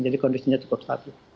jadi kondisinya cukup